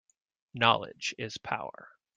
Knowledge is power.